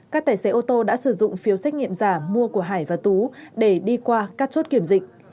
các tài xế ô tô đã sử dụng phiếu xét nghiệm giả mua của hải và tú để đi qua các chốt kiểm dịch